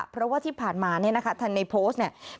เพราะว่าที่ผ่านมาเนี่ยนะคะทันในโพสต์เนี่ย